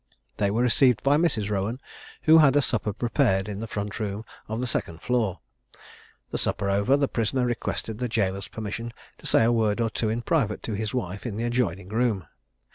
They were received by Mrs. Rowan, who had a supper prepared in the front room of the second floor. The supper over, the prisoner requested the jailer's permission to say a word or two in private to his wife in the adjoining room.